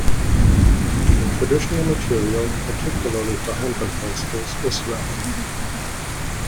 The traditional material, particularly for handgun holsters, is leather.